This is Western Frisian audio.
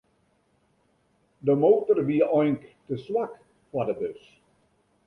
De motor wie eink te swak foar de bus.